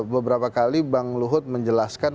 beberapa kali bang luhut menjelaskan